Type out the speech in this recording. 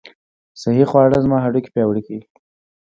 صحي خواړه زما هډوکي پیاوړي کوي.